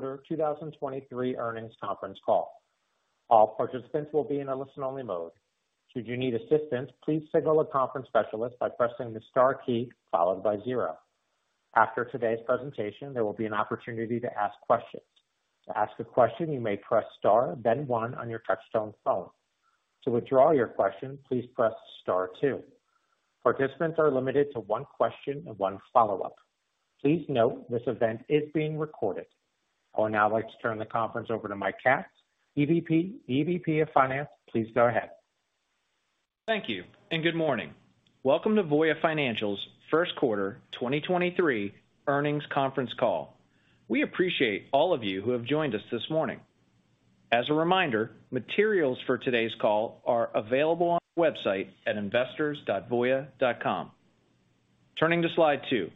Q1 2023 Earnings Conference Call. All participants will be in a listen-only mode. Should you need assistance, please signal a conference specialist by pressing the star key followed by zero. After today's presentation, there will be an opportunity to ask questions. To ask a question, you may press star, then one on your touchtone phone. To withdraw your question, please press star two. Participants are limited to one question and one follow-up. Please note this event is being recorded. I would now like to turn the conference over to Mike Katz, EVP of Finance. Please go ahead. Thank you and good morning. Welcome to Voya Financial's Q1 2023 Earnings Conference Call. We appreciate all of you who have joined us this morning. As a reminder, materials for today's call are available on our website at investors.voya.com. Turning to slide two.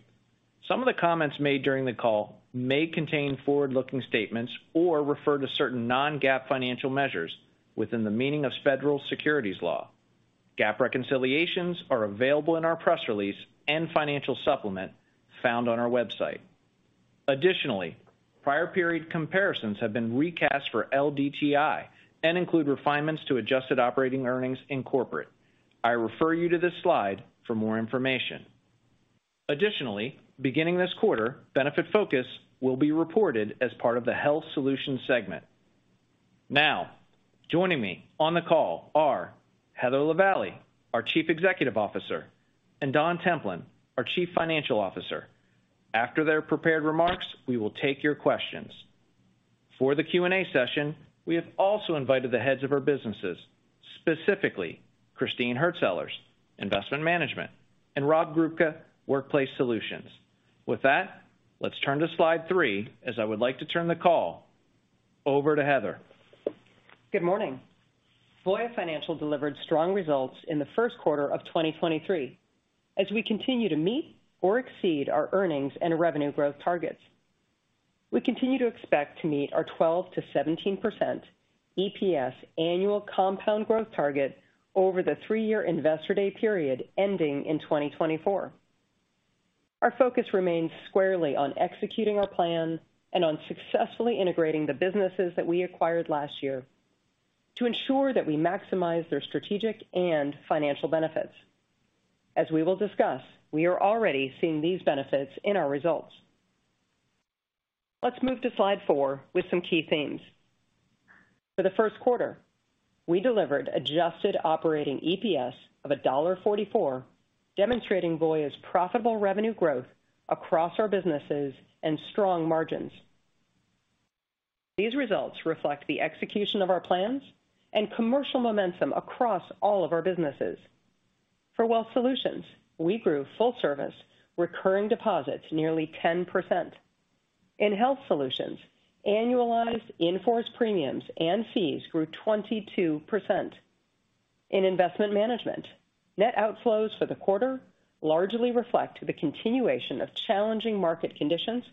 Some of the comments made during the call may contain forward-looking statements or refer to certain non-GAAP financial measures within the meaning of Federal securities law. GAAP reconciliations are available in our press release and financial supplement found on our website. Prior period comparisons have been recast for LDTI and include refinements to adjusted operating earnings in corporate. I refer you to this slide for more information. Beginning this quarter, Benefitfocus will be reported as part of the Health Solutions segment. Joining me on the call are Heather Lavallee, our Chief Executive Officer, and Don Templin, our Chief Financial Officer. After their prepared remarks, we will take your questions. For the Q&A session, we have also invited the heads of our businesses, specifically Christine Hurtsellers, Investment Management, and Rob Grubka, Workplace Solutions. With that, let's turn to slide three as I would like to turn the call over to Heather. Good morning. Voya Financial delivered strong results in the first quarter of 2023. As we continue to meet or exceed our earnings and revenue growth targets, we continue to expect to meet our 12%-17% EPS annual compound growth target over the three-year Investor Day period ending in 2024. Our focus remains squarely on executing our plan and on successfully integrating the businesses that we acquired last year to ensure that we maximize their strategic and financial benefits. As we will discuss, we are already seeing these benefits in our results. Let's move to slide four with some key themes. For the first quarter, we delivered adjusted operating EPS of $1.44, demonstrating Voya's profitable revenue growth across our businesses and strong margins. These results reflect the execution of our plans and commercial momentum across all of our businesses. For Wealth Solutions, we grew full service recurring deposits nearly 10%. In Health Solutions, annualized in-force premiums and fees grew 22%. In Investment Management, net outflows for the quarter largely reflect the continuation of challenging market conditions.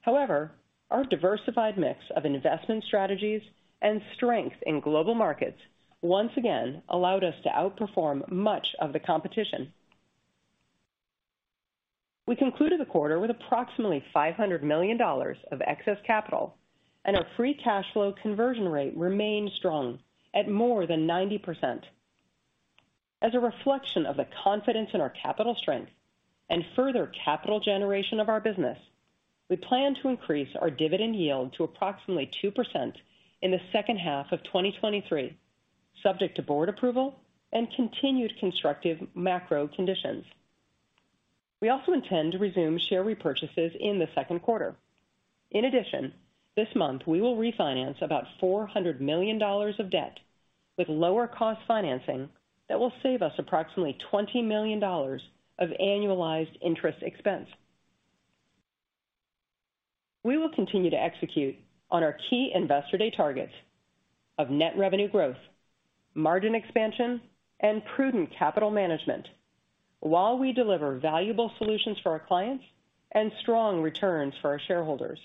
However, our diversified mix of investment strategies and strength in global markets once again allowed us to outperform much of the competition. We concluded the quarter with approximately $500 million of excess capital, and our free cash flow conversion rate remained strong at more than 90%. As a reflection of the confidence in our capital strength and further capital generation of our business, we plan to increase our dividend yield to approximately 2% in the second half of 2023, subject to board approval and continued constructive macro conditions. We also intend to resume share repurchases in the Q2. In addition, this month, we will refinance about $400 million of debt with lower cost financing that will save us approximately $20 million of annualized interest expense. We will continue to execute on our key Investor Day targets of net revenue growth, margin expansion, and prudent capital management while we deliver valuable solutions for our clients and strong returns for our shareholders.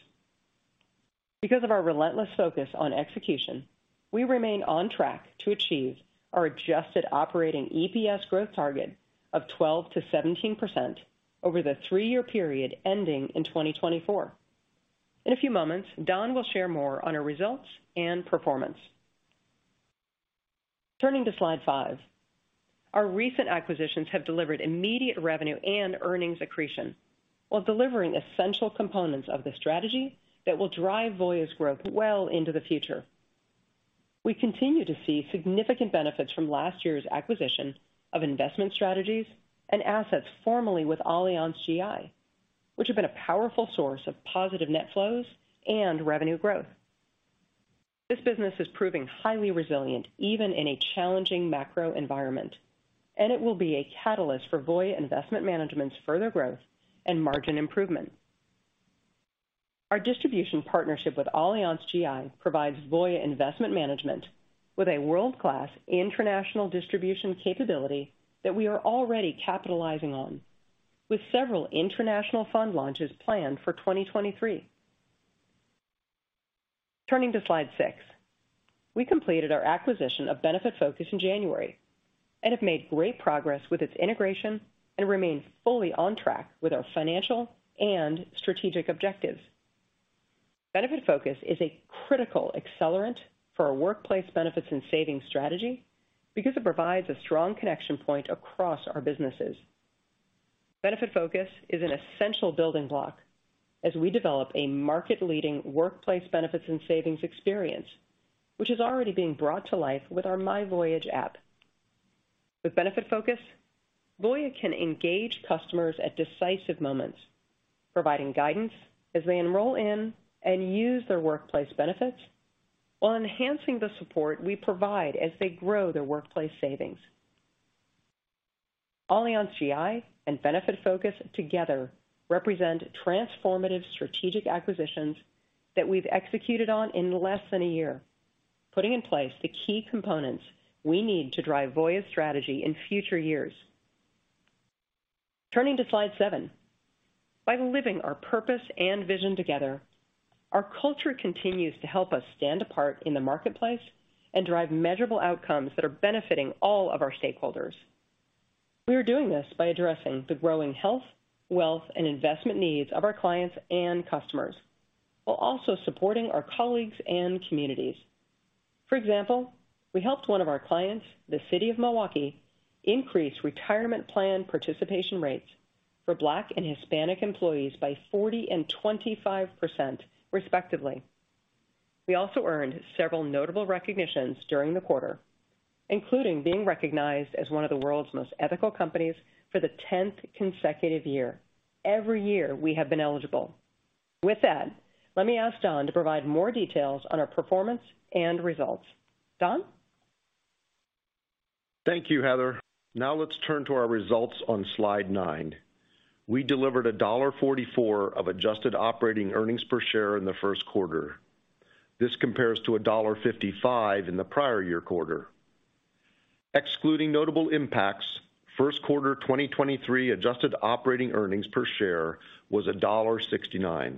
Because of our relentless focus on execution, we remain on track to achieve our adjusted operating EPS growth target of 12%-17% over the three year period ending in 2024. In a few moments, Don will share more on our results and performance. Turning to slide five. Our recent acquisitions have delivered immediate revenue and earnings accretion while delivering essential components of the strategy that will drive Voya's growth well into the future. We continue to see significant benefits from last year's acquisition of investment strategies and assets formerly with AllianzGI, which have been a powerful source of positive net flows and revenue growth. This business is proving highly resilient even in a challenging macro environment, and it will be a catalyst for Voya Investment Management's further growth and margin improvement. Our distribution partnership with AllianzGI provides Voya Investment Management with a world-class international distribution capability that we are already capitalizing on, with several international fund launches planned for 2023. Turning to slide six. We completed our acquisition of Benefitfocus in January and have made great progress with its integration and remain fully on track with our financial and strategic objectives. Benefitfocus is a critical accelerant for our workplace benefits and savings strategy because it provides a strong connection point across our businesses. Benefitfocus is an essential building block as we develop a market-leading workplace benefits and savings experience, which is already being brought to life with our myVoyage app. With Benefitfocus, Voya can engage customers at decisive moments, providing guidance as they enroll in and use their workplace benefits while enhancing the support we provide as they grow their workplace savings. AllianzGI and Benefitfocus together represent transformative strategic acquisitions that we've executed on in less than a year, putting in place the key components we need to drive Voya's strategy in future years. Turning to slide seven. By living our purpose and vision together, our culture continues to help us stand apart in the marketplace and drive measurable outcomes that are benefiting all of our stakeholders. We are doing this by addressing the growing health, wealth, and investment needs of our clients and customers, while also supporting our colleagues and communities. For example, we helped one of our clients, the city of Milwaukee, increase retirement plan participation rates for Black and Hispanic employees by 40% and 25%, respectively. We also earned several notable recognitions during the quarter, including being recognized as one of the world's most ethical companies for the 10th consecutive year, every year we have been eligible. With that, let me ask Don to provide more details on our performance and results. Don? Thank you, Heather. Let's turn to our results on slide nine. We delivered $1.44 of adjusted operating earnings per share in the first quarter. This compares to $1.55 in the prior year quarter. Excluding notable impacts, Q1 2023 adjusted operating earnings per share was $1.69.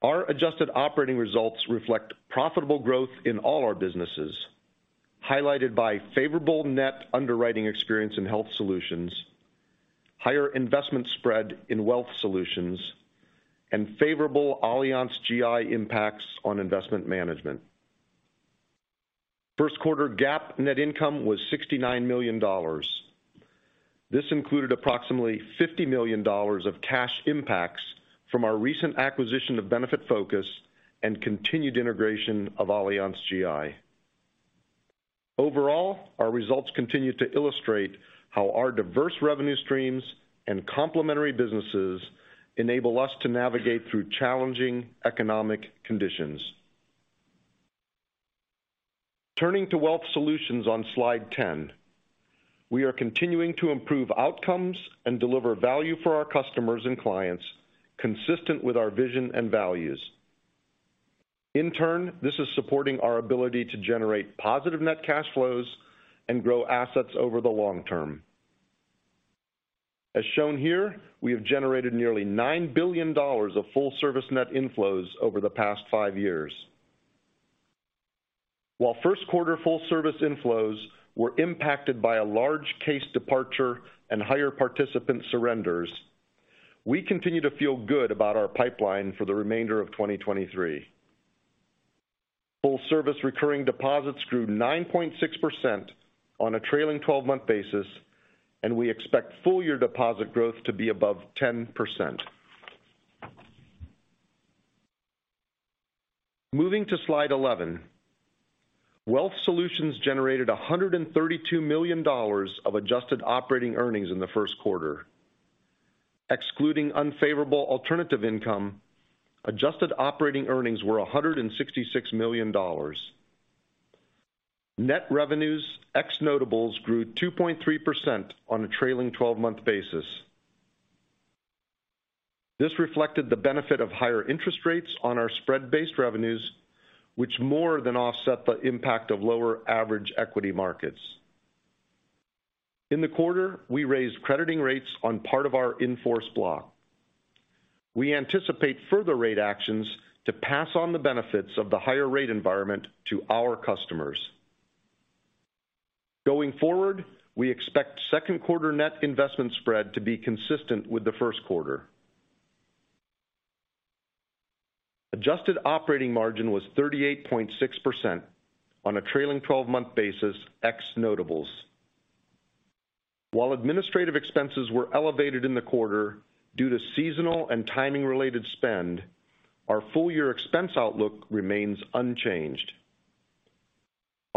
Our adjusted operating results reflect profitable growth in all our businesses, highlighted by favorable net underwriting experience in Health Solutions, higher investment spread in Wealth Solutions, and favorable AllianzGI impacts on Investment Management. Q1 GAAP net income was $69 million. This included approximately $50 million of cash impacts from our recent acquisition of Benefitfocus and continued integration of AllianzGI. Overall, our results continue to illustrate how our diverse revenue streams and complementary businesses enable us to navigate through challenging economic conditions. Turning to Wealth Solutions on slide 10. We are continuing to improve outcomes and deliver value for our customers and clients, consistent with our vision and values. This is supporting our ability to generate positive net cash flows and grow assets over the long term. As shown here, we have generated nearly $9 billion of full service net inflows over the past five years. While first quarter full service inflows were impacted by a large case departure and higher participant surrenders, we continue to feel good about our pipeline for the remainder of 2023. Full service recurring deposits grew 9.6% on a trailing twelve-month basis, and we expect full year deposit growth to be above 10%. Moving to slide 11. Wealth Solutions generated $132 million of adjusted operating earnings in the first quarter. Excluding unfavorable alternative income, adjusted operating earnings were $166 million. Net revenues ex-notables grew 2.3% on a trailing 12 month basis. This reflected the benefit of higher interest rates on our spread-based revenues, which more than offset the impact of lower average equity markets. In the quarter, we raised crediting rates on part of our in-force block. We anticipate further rate actions to pass on the benefits of the higher rate environment to our customers. Going forward, we expect second quarter net investment spread to be consistent with the first quarter. Adjusted operating margin was 38.6% on a trailing twelve-month basis ex notables. While administrative expenses were elevated in the quarter due to seasonal and timing-related spend, our full year expense outlook remains unchanged.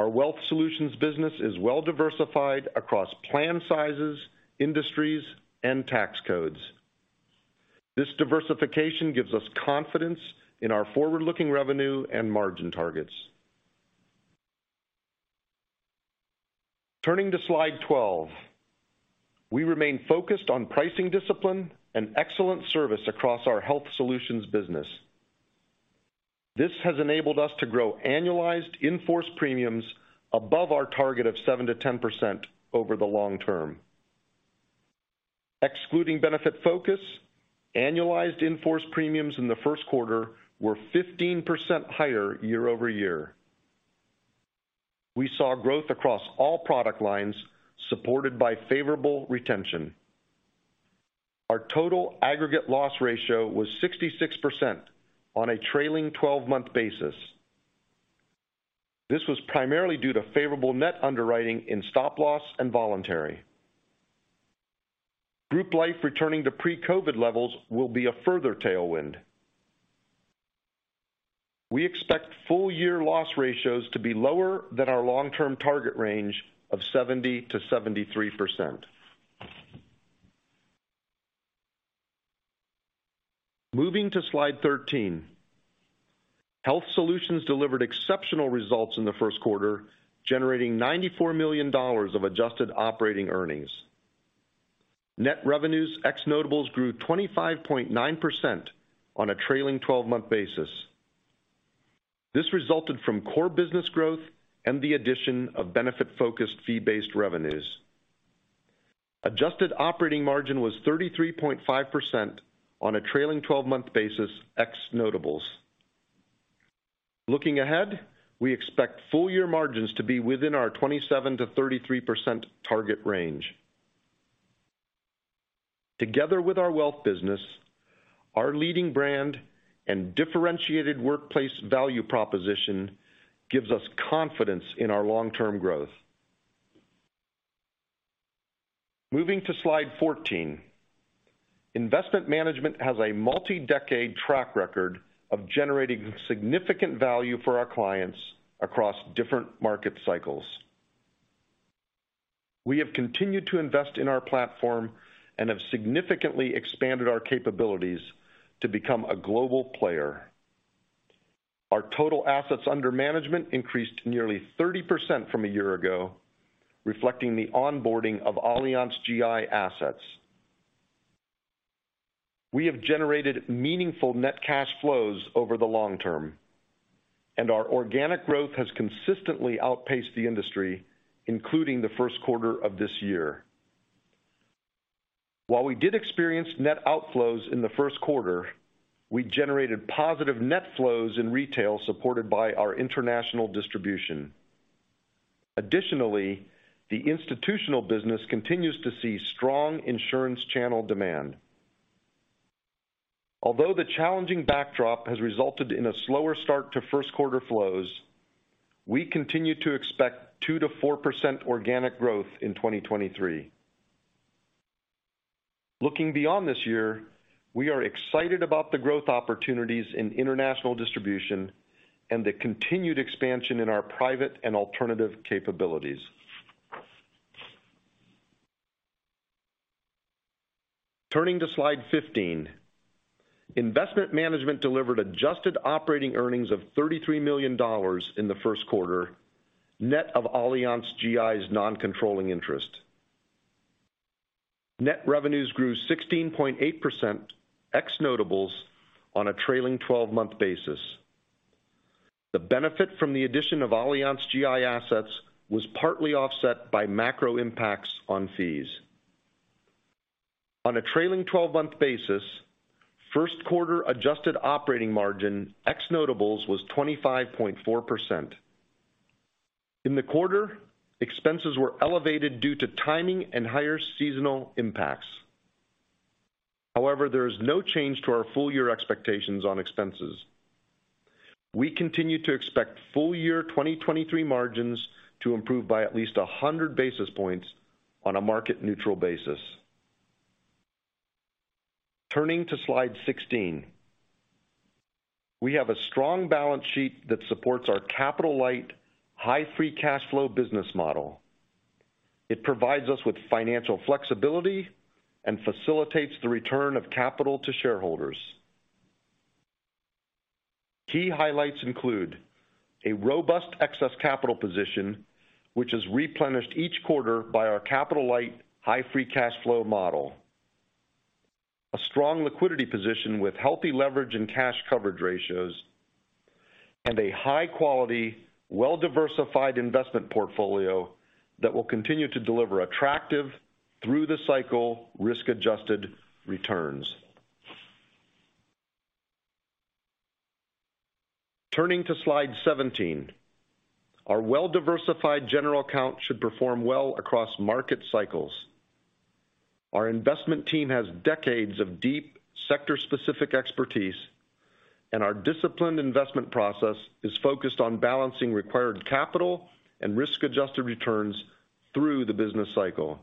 Our Wealth Solutions business is well diversified across plan sizes, industries, and tax codes. This diversification gives us confidence in our forward-looking revenue and margin targets. Turning to slide 12. We remain focused on pricing discipline and excellent service across our Health Solutions business. This has enabled us to grow annualized in-force premiums above our target of 7%-10% over the long term. Excluding Benefitfocus, annualized in-force premiums in the first quarter were 15% higher year-over-year. We saw growth across all product lines supported by favorable retention. Our total aggregate loss ratio was 66% on a trailing 12 month basis. This was primarily due to favorable net underwriting in Stop Loss and voluntary. Group Life returning to pre-COVID levels will be a further tailwind. We expect full year loss ratios to be lower than our long-term target range of 70%-73%. Moving to slide 13. Health Solutions delivered exceptional results in the first quarter, generating $94 million of adjusted operating earnings. Net revenues ex-notables grew 25.9% on a trailing 12 month basis. This resulted from core business growth and the addition of Benefitfocus fee-based revenues. Adjusted operating margin was 33.5% on a trailing 12 month basis ex-notables. Looking ahead, we expect full year margins to be within our 27%-33% target range. Together with our wealth business, our leading brand and differentiated workplace value proposition gives us confidence in our long-term growth. Moving to slide 14. Investment Management has a multi-decade track record of generating significant value for our clients across different market cycles. We have continued to invest in our platform and have significantly expanded our capabilities to become a global player. Our total assets under management increased nearly 30% from a year ago, reflecting the onboarding of AllianzGI assets. We have generated meaningful net cash flows over the long term, and our organic growth has consistently outpaced the industry, including the Q1 of this year. While we did experience net outflows in the Q1, we generated positive net flows in retail supported by our international distribution. The institutional business continues to see strong insurance channel demand. The challenging backdrop has resulted in a slower start to Q1 flows, we continue to expect 2%-4% organic growth in 2023. Looking beyond this year, we are excited about the growth opportunities in international distribution and the continued expansion in our private and alternative capabilities. Turning to slide 15. Investment Management delivered adjusted operating earnings of $33 million in the Q1, net of AllianzGI's non-controlling interest. Net revenues grew 16.8% ex-notables on a trailing twelve-month basis. The benefit from the addition of AllianzGI assets was partly offset by macro impacts on fees. On a trailing twelve-month basis, Q1 adjusted operating margin ex-notables was 25.4%. In the quarter, expenses were elevated due to timing and higher seasonal impacts. However, there is no change to our full year expectations on expenses. We continue to expect full year 2023 margins to improve by at least 100 basis points on a market neutral basis. Turning to slide 16. We have a strong balance sheet that supports our capital light, high free cash flow business model. It provides us with financial flexibility and facilitates the return of capital to shareholders. Key highlights include a robust excess capital position, which is replenished each quarter by our capital light, high free cash flow model, a strong liquidity position with healthy leverage and cash coverage ratios, and a high quality, well-diversified investment portfolio that will continue to deliver attractive through the cycle risk-adjusted returns. Turning to slide 17. Our well-diversified general account should perform well across market cycles. Our investment team has decades of deep sector-specific expertise, and our disciplined investment process is focused on balancing required capital and risk-adjusted returns through the business cycle.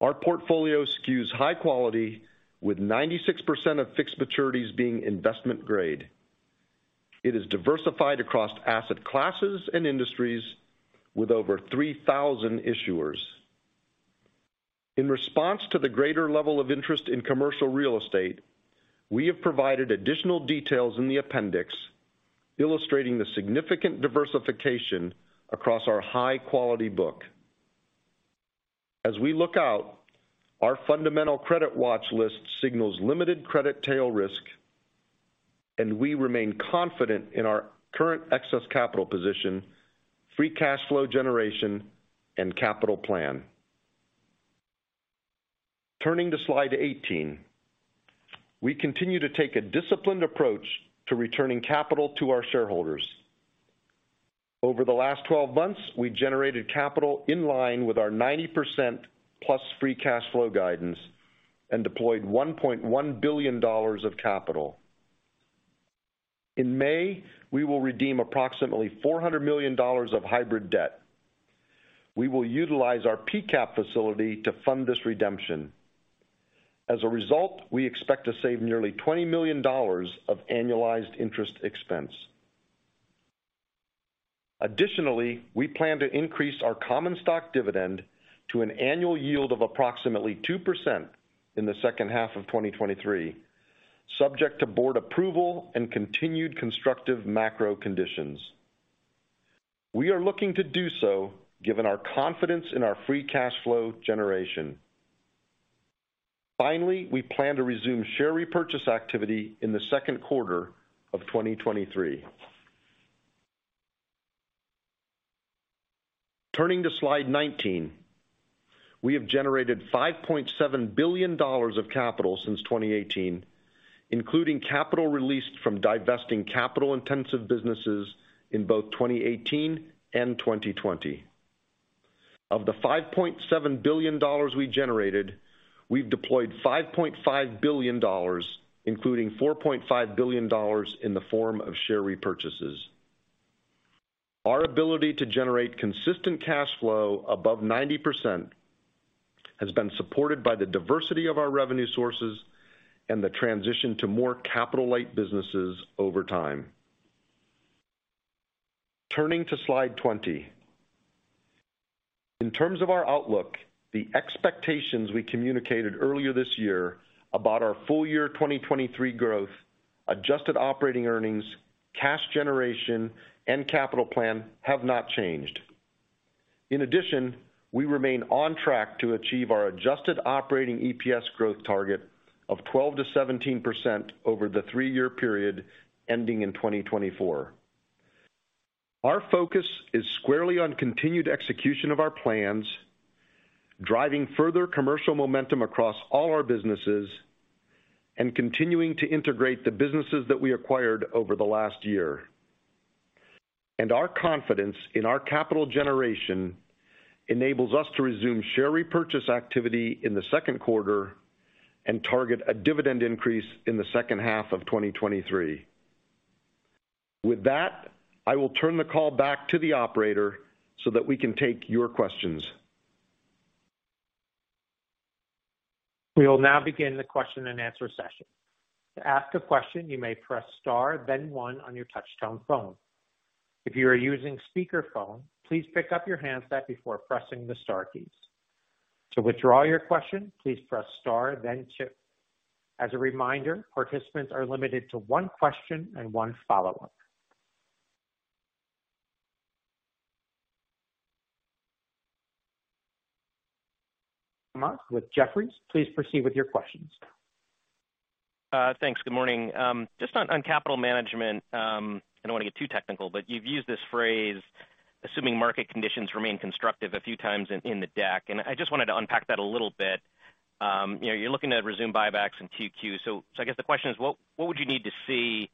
Our portfolio skews high quality with 96% of fixed maturities being investment grade. It is diversified across asset classes and industries with over 3,000 issuers. In response to the greater level of interest in commercial real estate, we have provided additional details in the appendix illustrating the significant diversification across our high quality book. As we look out, our fundamental credit watch list signals limited credit tail risk. We remain confident in our current excess capital position, free cash flow generation, and capital plan. Turning to slide 18. We continue to take a disciplined approach to returning capital to our shareholders. Over the last 12 months, we generated capital in line with our 90%+ free cash flow guidance and deployed $1.1 billion of capital. In May, we will redeem approximately $400 million of hybrid debt. We will utilize our PCAP facility to fund this redemption. As a result, we expect to save nearly $20 million of annualized interest expense. Additionally, we plan to increase our common stock dividend to an annual yield of approximately 2% in the second half of 2023, subject to board approval and continued constructive macro conditions. We are looking to do so given our confidence in our free cash flow generation. We plan to resume share repurchase activity in the second quarter of 2023. Turning to slide 19. We have generated $5.7 billion of capital since 2018, including capital released from divesting capital-intensive businesses in both 2018 and 2020. Of the $5.7 billion we generated, we've deployed $5.5 billion, including $4.5 billion in the form of share repurchases. Our ability to generate consistent cash flow above 90% has been supported by the diversity of our revenue sources and the transition to more capital-light businesses over time. Turning to slide 20. In terms of our outlook, the expectations we communicated earlier this year about our full year 2023 growth, adjusted operating earnings, cash generation, and capital plan have not changed. In addition, we remain on track to achieve our adjusted operating EPS growth target of 12%-17% over the three year period ending in 2024. Our focus is squarely on continued execution of our plans, driving further commercial momentum across all our businesses, and continuing to integrate the businesses that we acquired over the last year. Our confidence in our capital generation enables us to resume share repurchase activity in the Q2 and target a dividend increase in the second half of 2023. With that, I will turn the call back to the operator so that we can take your questions. We will now begin the question-and-answer session. To ask a question, you may press star then one on your touchtone phone. If you are using speakerphone, please pick up your handset before pressing the star keys. To withdraw your question, please press star then two. As a reminder, participants are limited to one question and one follow-up. Kamath with Jefferies, please proceed with your questions. Thanks. Good morning. Just on capital management, I don't wanna get too technical, but you've used this phrase, "assuming market conditions remain constructive" a few times in the deck. I just wanted to unpack that a little bit. you know, you're looking to resume buybacks in Q2. I guess the question is: what would you need to see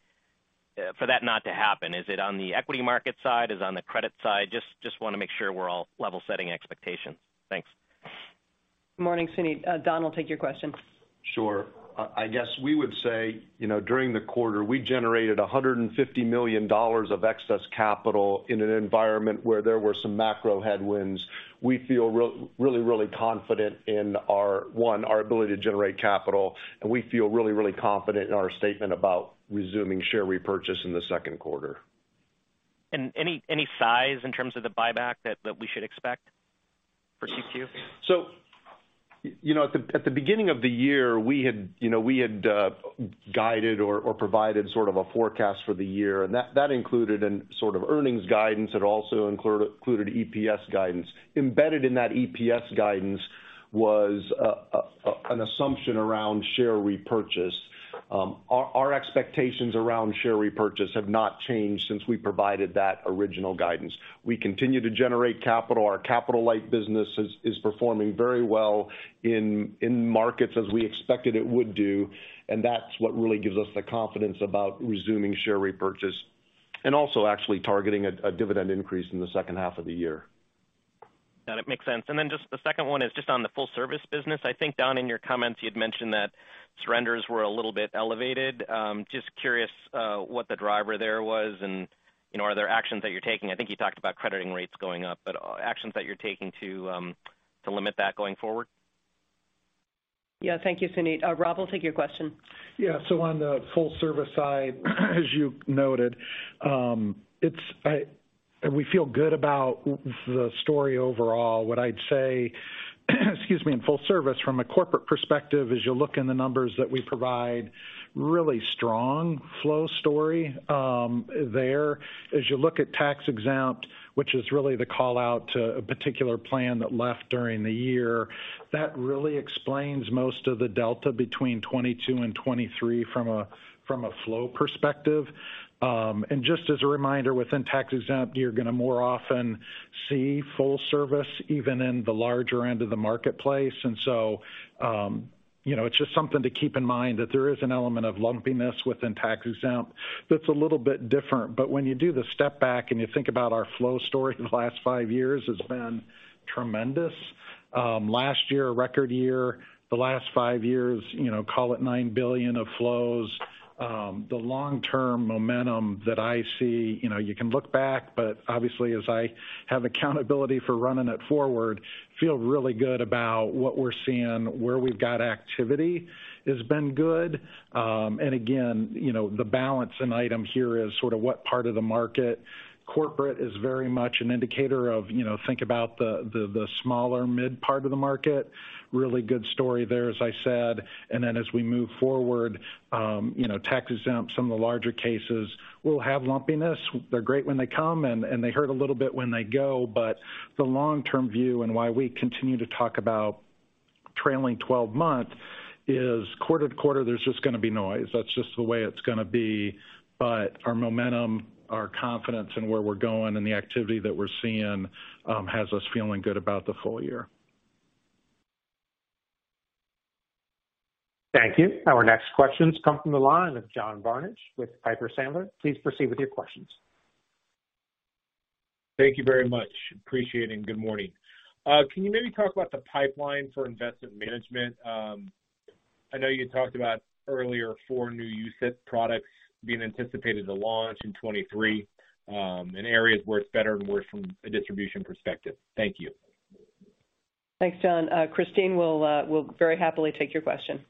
for that not to happen? Is it on the equity market side? Is it on the credit side? Just wanna make sure we're all level setting expectations. Thanks. Morning, Suneet. Don will take your question. Sure. I guess we would say, you know, during the quarter, we generated $150 million of excess capital in an environment where there were some macro headwinds. We feel really, really confident in our, one, our ability to generate capital. We feel really, really confident in our statement about resuming share repurchase in the Q2. Any size in terms of the buyback that we should expect for Q2? You know, at the beginning of the year, we had, you know, we had guided or provided sort of a forecast for the year, and that included in sort of earnings guidance. It also included EPS guidance. Embedded in that EPS guidance was an assumption around share repurchase. Our expectations around share repurchase have not changed since we provided that original guidance. We continue to generate capital. Our capital-light business is performing very well in markets as we expected it would do, and that's what really gives us the confidence about resuming share repurchase and also actually targeting a dividend increase in the second half of the year. That makes sense. Just the second one is just on the full service business. I think down in your comments you'd mentioned that surrenders were a little bit elevated. Just curious, what the driver there was and, you know, are there actions that you're taking? I think you talked about crediting rates going up, actions that you're taking to limit that going forward? Yeah. Thank you, Suneet. Rob will take your question. Yeah. On the full service side, as you noted, we feel good about the story overall. What I'd say Excuse me, in full service from a corporate perspective, as you look in the numbers that we provide, really strong flow story, there. You look at tax-exempt, which is really the call-out to a particular plan that left during the year, that really explains most of the delta between 22 and 23 from a, from a flow perspective. Just as a reminder, within tax-exempt, you're gonna more often see full service, even in the larger end of the marketplace. It's just something to keep in mind that there is an element of lumpiness within tax-exempt that's a little bit different. When you do the step back and you think about our flow story, the last five years has been tremendous. Last year, a record year. The last five years, you know, call it $9 billion of flows. The long-term momentum that I see, you know, you can look back, but obviously, as I have accountability for running it forward, feel really good about what we're seeing. Where we've got activity has been good. Again, you know, the balance in item here is sort of what part of the market. Corporate is very much an indicator of, you know, think about the smaller mid-part of the market. Really good story there, as I said. Then as we move forward, you know, tax-exempt, some of the larger cases, we'll have lumpiness. They're great when they come, and they hurt a little bit when they go. The long-term view and why we continue to talk about trailing twelve months is quarter to quarter, there's just gonna be noise. That's just the way it's gonna be. Our momentum, our confidence in where we're going and the activity that we're seeing, has us feeling good about the full year. Thank you. Our next questions come from the line of John Barnidge with Piper Sandler. Please proceed with your questions. Thank you very much. Appreciating. Good morning. Can you maybe talk about the pipeline for Investment Management? I know you talked about earlier four new UCITS products being anticipated to launch in 2023, in areas where it's better and worse from a distribution perspective. Thank you. Thanks, John. Christine will very happily take your question.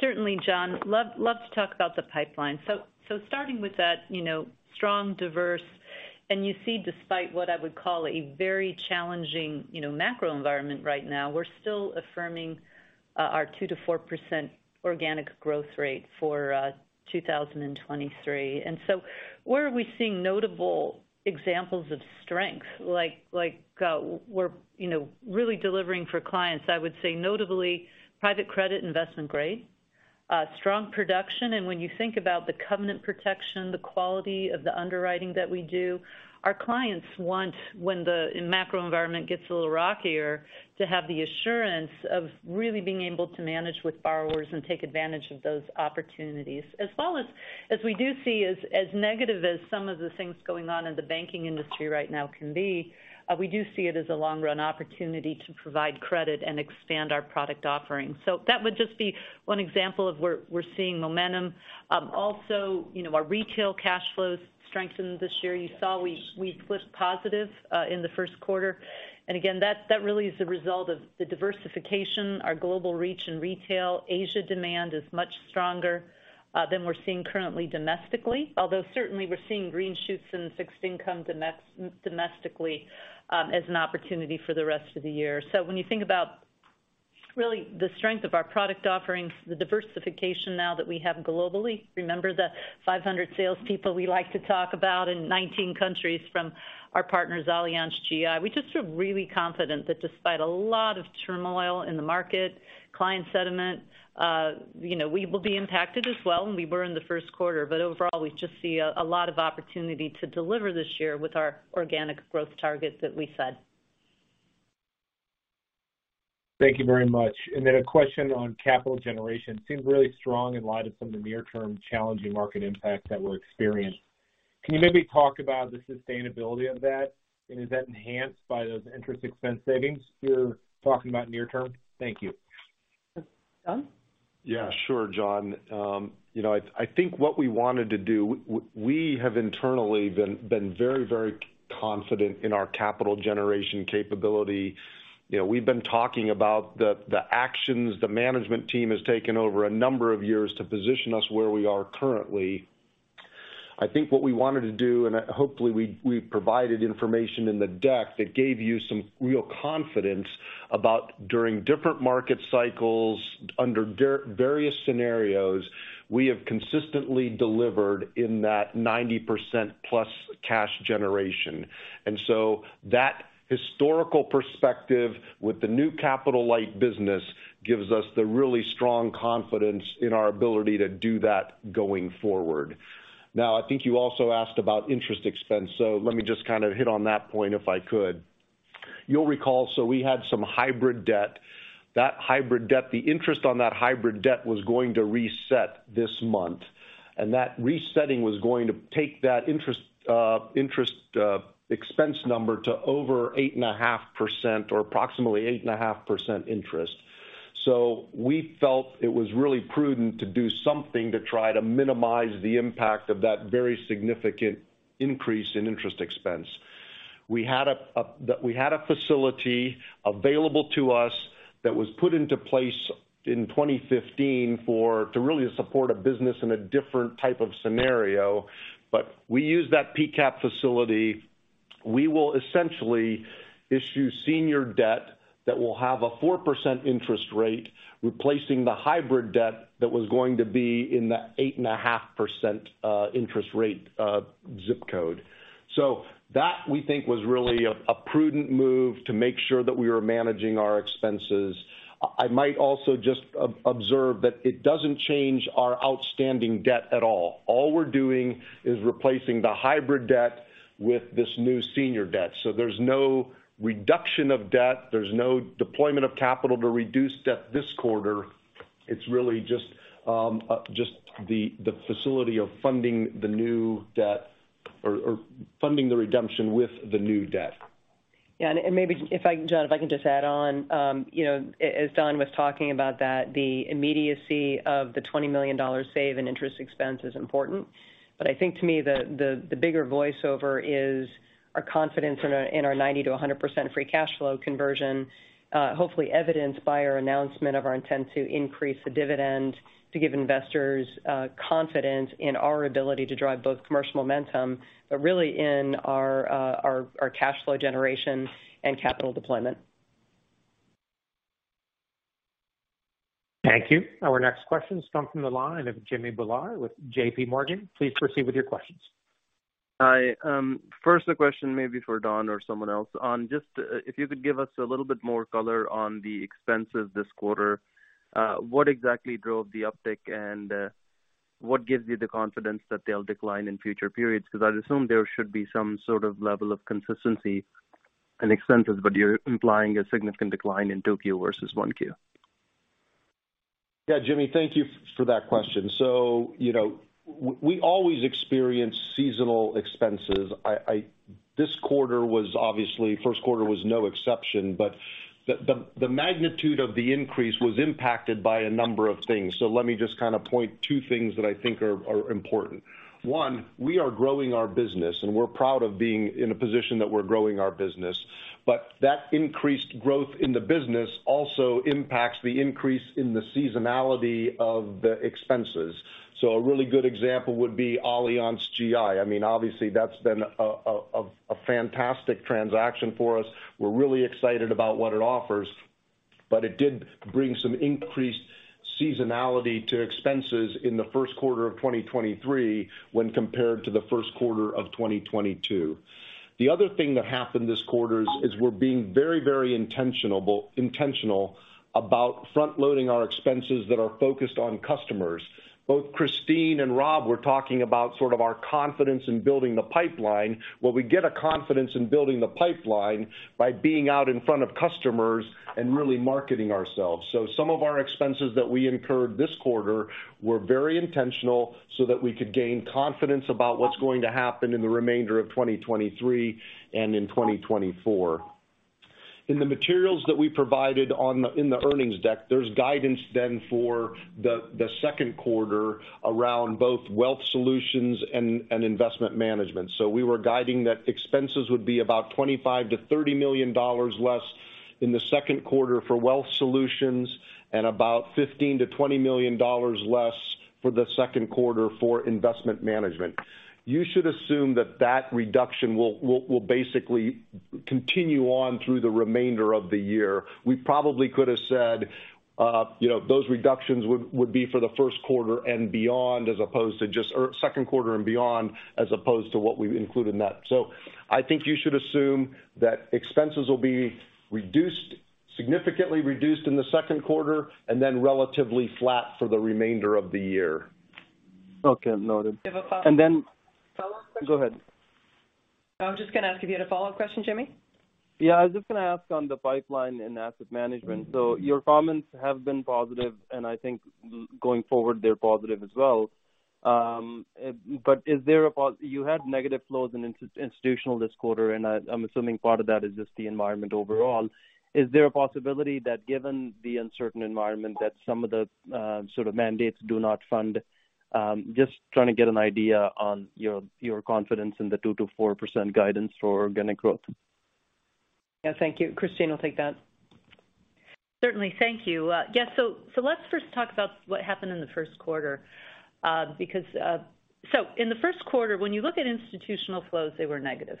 Certainly, John. Love to talk about the pipeline. Starting with that, you know, strong, diverse, and you see despite what I would call a very challenging, you know, macro environment right now, we're still affirming our 2%-4% organic growth rate for 2023. Where are we seeing notable examples of strength? Like, we're, you know, really delivering for clients, I would say notably private credit investment grade, strong production. When you think about the covenant protection, the quality of the underwriting that we do, our clients want, when the macro environment gets a little rockier, to have the assurance of really being able to manage with borrowers and take advantage of those opportunities. As well as we do see as negative as some of the things going on in the banking industry right now can be, we do see it as a long-run opportunity to provide credit and expand our product offerings. That would just be one example of where we're seeing momentum. Also, you know, our retail cash flows strengthened this year. You saw we flipped positive in the Q1. Again, that really is a result of the diversification, our global reach in retail. Asia demand is much stronger than we're seeing currently domestically, although certainly we're seeing green shoots in fixed income domestically, as an opportunity for the rest of the year. When you think about really the strength of our product offerings, the diversification now that we have globally, remember the 500 salespeople we like to talk about in 19 countries from our partners, AllianzGI. We just feel really confident that despite a lot of turmoil in the market, client sentiment, you know, we will be impacted as well, and we were in the first quarter, but overall, we just see a lot of opportunity to deliver this year with our organic growth targets that we said. Thank you very much. A question on capital generation. Seems really strong in light of some of the near-term challenging market impacts that were experienced. Can you maybe talk about the sustainability of that? Is that enhanced by those interest expense savings you're talking about near term? Thank you. Don? Yeah, sure, John. You know, I think what we wanted to do, we have internally been very confident in our capital generation capability. You know, we've been talking about the actions the management team has taken over a number of years to position us where we are currently. I think what we wanted to do, hopefully we provided information in the deck that gave you some real confidence about during different market cycles, under various scenarios, we have consistently delivered in that 90% plus cash generation. That historical perspective with the new capital light business gives us the really strong confidence in our ability to do that going forward. I think you also asked about interest expense, so let me just kind of hit on that point, if I could. You'll recall, we had some hybrid debt. That hybrid debt, the interest on that hybrid debt was going to reset this month, and that resetting was going to take that interest expense number to over 8.5%, or approximately 8.5% interest. We felt it was really prudent to do something to try to minimize the impact of that very significant increase in interest expense. We had a facility available to us. That was put into place in 2015 to really support a business in a different type of scenario. We use that PCAP facility. We will essentially issue senior debt that will have a 4% interest rate, replacing the hybrid debt that was going to be in the 8.5% interest rate zip code. That we think was really a prudent move to make sure that we were managing our expenses. I might also just observe that it doesn't change our outstanding debt at all. All we're doing is replacing the hybrid debt with this new senior debt. There's no reduction of debt, there's no deployment of capital to reduce debt this quarter. It's really just the facility of funding the new debt or funding the redemption with the new debt. Yeah, maybe if I can John, if I can just add on. You know, as Don was talking about that the immediacy of the $20 million save in interest expense is important. I think to me, the bigger voice over is our confidence in our 90% to 100% free cash flow conversion, hopefully evidenced by our announcement of our intent to increase the dividend to give investors confidence in our ability to drive both commercial momentum, but really in our cash flow generation and capital deployment. Thank you. Our next question is coming from the line of Jimmy Bhullar with J.P. Morgan. Please proceed with your questions. Hi. First a question maybe for Don or someone else on just, if you could give us a little bit more color on the expenses this quarter? What exactly drove the uptick, and, what gives you the confidence that they'll decline in future periods? I'd assume there should be some sort of level of consistency in expenses, but you're implying a significant decline in 2Q versus 1Q. Yeah. Jimmy, thank you for that question. you know, we always experience seasonal expenses. this quarter was obviously, Q1 was no exception, but the magnitude of the increase was impacted by a number of things. Let me just kind of point two things that I think are important. One, we are growing our business, and we're proud of being in a position that we're growing our business. That increased growth in the business also impacts the increase in the seasonality of the expenses. A really good example would be AllianzGI. I mean, obviously that's been a fantastic transaction for us. We're really excited about what it offers, but it did bring some increased seasonality to expenses in the first quarter of 2023 when compared to the Q1 of 2022. The other thing that happened this quarter is we're being very intentional about front-loading our expenses that are focused on customers. Both Christine and Rob were talking about sort of our confidence in building the pipeline. Well, we get a confidence in building the pipeline by being out in front of customers and really marketing ourselves. Some of our expenses that we incurred this quarter were very intentional so that we could gain confidence about what's going to happen in the remainder of 2023 and in 2024. In the materials that we provided in the earnings deck, there's guidance then for the second quarter around both Wealth Solutions and Investment Management. We were guiding that expenses would be about $25 million-$30 million less in the second quarter for Wealth Solutions and about $15 million-$20 million less for the second quarter for Investment Management. You should assume that that reduction will basically continue on through the remainder of the year. We probably could have said, you know, those reductions would be for the Q2 and beyond, as opposed to just, or Q2 and beyond, as opposed to what we've included in that. I think you should assume that expenses will be reduced, significantly reduced in the Q2 and then relatively flat for the remainder of the year. Okay. Noted. Do you have a follow-up? And then- Follow-up question? Go ahead. I was just gonna ask if you had a follow-up question, Jimmy. Yeah. I was just gonna ask on the pipeline and Investment Management. Your comments have been positive and I think going forward they're positive as well. You had negative flows in institutional this quarter, and I'm assuming part of that is just the environment overall. Is there a possibility that given the uncertain environment, that some of the sort of mandates do not fund? Just trying to get an idea on your confidence in the 2%-4% guidance for organic growth. Yeah. Thank you. Christine will take that. Certainly. Thank you. Yeah. So let's first talk about what happened in the first quarter, because... In the first quarter, when you look at institutional flows, they were negative.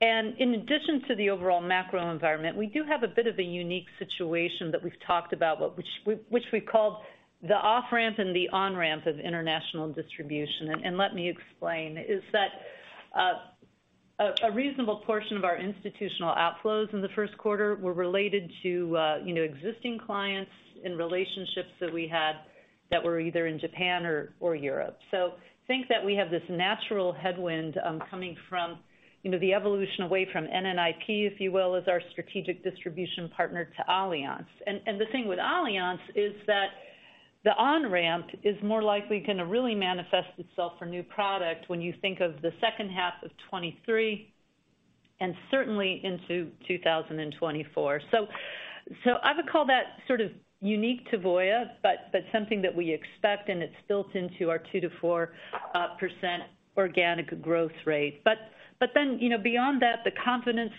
In addition to the overall macro environment, we do have a bit of a unique situation that we've talked about but which we called the off-ramp and the on-ramp of international distribution. Let me explain, is that a reasonable portion of our institutional outflows in the first quarter were related to, you know, existing clients and relationships that we had that were either in Japan or Europe. Think that we have this natural headwind, coming from, you know, the evolution away from NNIP, if you will, as our strategic distribution partner to Allianz. The thing with Allianz is that the on-ramp is more likely gonna really manifest itself for new product when you think of the second half of 2023 and certainly into 2024. I would call that sort of unique to Voya, but something that we expect and it's built into our 2%-4% organic growth rate. Then, you know, beyond that, the confidence,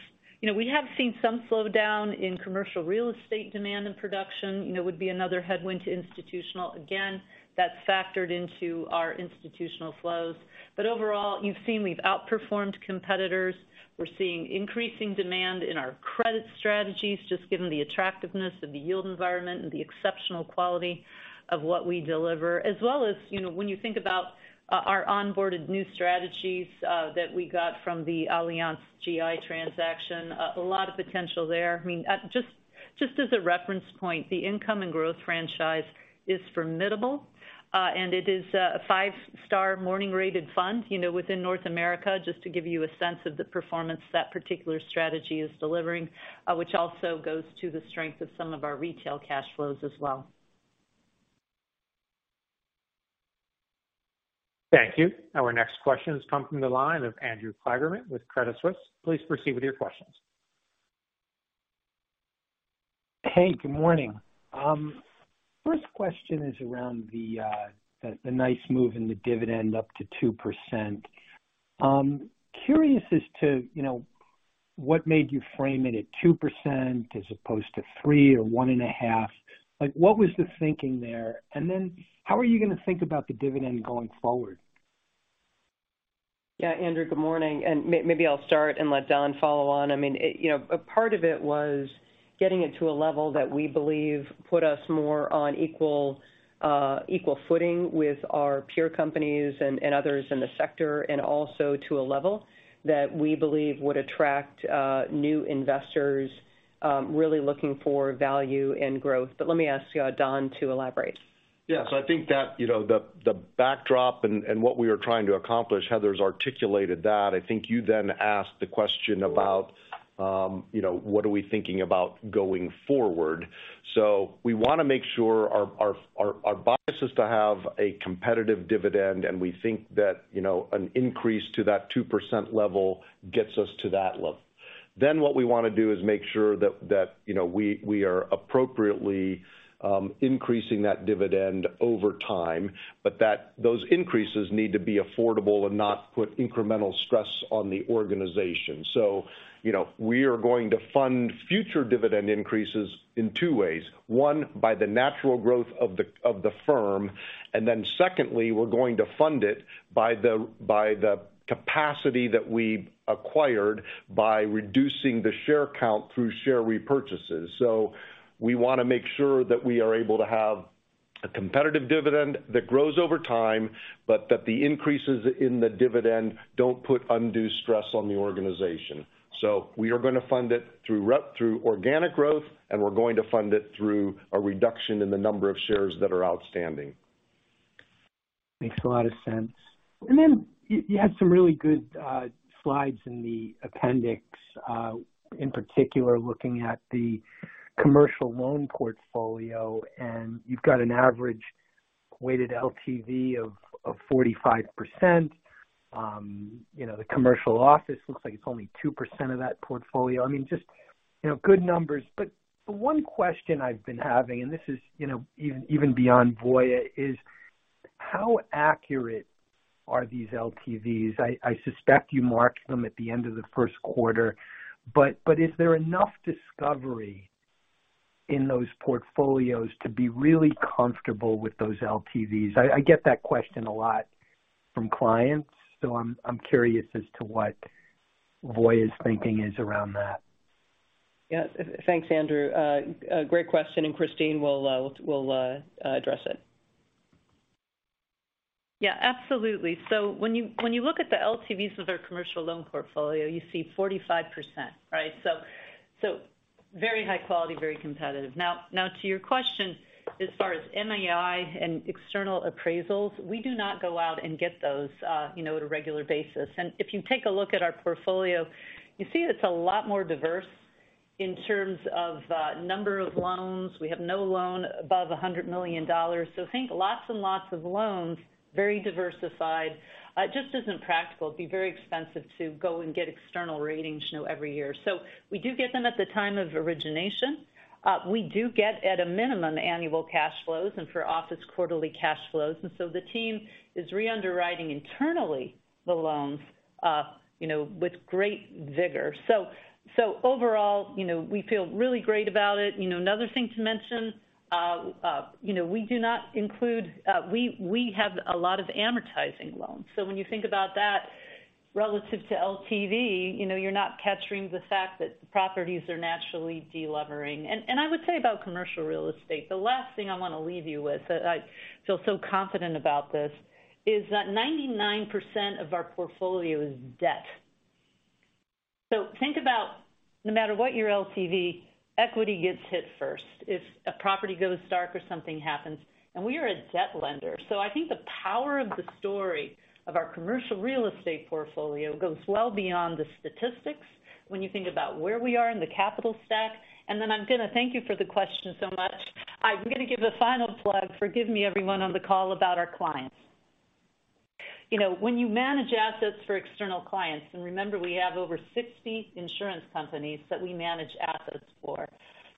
you know, we have seen some slowdown in commercial real estate demand and production, you know, would be another headwind to institutional. Again, that's factored into our institutional flows. Overall, you've seen we've outperformed competitors. We're seeing increasing demand in our credit strategies, just given the attractiveness of the yield environment and the exceptional quality of what we deliver. As well as, you know, when you think about our onboarded new strategies, that we got from the AllianzGI transaction, a lot of potential there. I mean, just as a reference point, the income and growth franchise is formidable, and it is a five star Morningstar rated fund, you know, within North America, just to give you a sense of the performance that particular strategy is delivering, which also goes to the strength of some of our retail cash flows as well. Thank you. Our next question has come from the line of Andrew Kligerman with Credit Suisse. Please proceed with your questions. Hey, good morning. First question is around the nice move in the dividend up to 2%. Curious as to, you know, what made you frame it at 2% as opposed to 3% or 1.5%? Like, what was the thinking there? How are you gonna think about the dividend going forward? Yeah. Andrew, good morning. maybe I'll start and let Don follow on. I mean, it, you know, a part of it was getting it to a level that we believe put us more on equal footing with our peer companies and others in the sector, and also to a level that we believe would attract new investors, really looking for value and growth. Let me ask Don to elaborate. Yeah. I think that, you know, the backdrop and what we are trying to accomplish, Heather's articulated that. I think you then asked the question about, you know, what are we thinking about going forward. We wanna make sure our bias is to have a competitive dividend, and we think that, you know, an increase to that 2% level gets us to that level. What we wanna do is make sure that, you know, we are appropriately increasing that dividend over time, but that those increases need to be affordable and not put incremental stress on the organization. You know, we are going to fund future dividend increases in two ways. By the natural growth of the firm, secondly, we're going to fund it by the, by the capacity that we acquired by reducing the share count through share repurchases. We wanna make sure that we are able to have a competitive dividend that grows over time, but that the increases in the dividend don't put undue stress on the organization. We are gonna fund it through organic growth, and we're going to fund it through a reduction in the number of shares that are outstanding. Makes a lot of sense. Then you had some really good slides in the appendix, in particular, looking at the commercial loan portfolio, and you've got an average weighted LTV of 45%. You know, the commercial office looks like it's only 2% of that portfolio. I mean, just, you know, good numbers. The one question I've been having, and this is, you know, even beyond Voya, is how accurate are these LTVs? I suspect you mark them at the end of the first quarter, but is there enough discovery in those portfolios to be really comfortable with those LTVs? I get that question a lot from clients, so I'm curious as to what Voya's thinking is around that. Thanks, Andrew. A great question, and Christine will address it. Absolutely. When you look at the LTVs of their commercial loan portfolio, you see 45%, right? Very high quality, very competitive. To your question, as far as MAI and external appraisals, we do not go out and get those, you know, at a regular basis. If you take a look at our portfolio, you see it's a lot more diverse in terms of number of loans. We have no loan above $100 million. Think lots and lots of loans, very diversified. It just isn't practical. It'd be very expensive to go and get external ratings, you know, every year. We do get them at the time of origination. We do get at a minimum annual cash flows and for office quarterly cash flows. The team is re-underwriting internally the loans, you know, with great vigor. Overall, you know, we feel really great about it. You know, another thing to mention, you know, we do not include. We have a lot of amortizing loans. When you think about that relative to LTV, you know, you're not capturing the fact that properties are naturally de-levering. I would say about commercial real estate, the last thing I wanna leave you with, that I feel so confident about this, is that 99% of our portfolio is debt. Think about no matter what your LTV, equity gets hit first if a property goes dark or something happens, and we are a debt lender. I think the power of the story of our commercial real estate portfolio goes well beyond the statistics when you think about where we are in the capital stack. I'm gonna thank you for the question so much. I'm gonna give a final plug, forgive me everyone on the call, about our clients. You know, when you manage assets for external clients, and remember, we have over 60 insurance companies that we manage assets for,